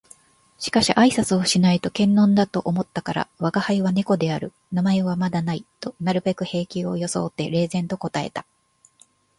しかし挨拶をしないと険呑だと思ったから「吾輩は猫である。名前はまだない」となるべく平気を装って冷然と答えた